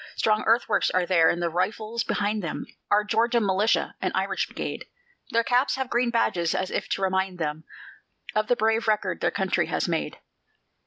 Strong earthworks are there, and the rifles behind them Are Georgia militia an Irish brigade Their caps have green badges, as if to remind them Of all the brave record their country has made.